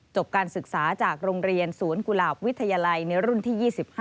การศึกษาจากโรงเรียนสวนกุหลาบวิทยาลัยในรุ่นที่๒๕